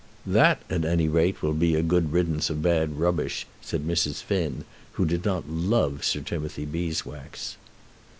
"That, at any rate, will be a good riddance of bad rubbish," said Mrs. Finn, who did not love Sir Timothy Beeswax.